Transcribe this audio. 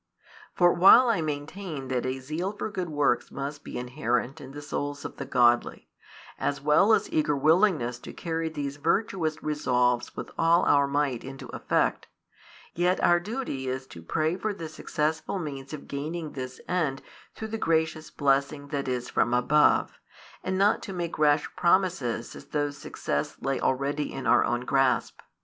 For while I maintain that a zeal for good works must be inherent in the souls of the godly, as well as eager willingness to carry these virtuous resolves with all our might into effect, yet our duty is to |231 pray for the successful means of gaining this end through the gracious blessing that is from above, and not to make rash promises as though success lay already in our own grasp.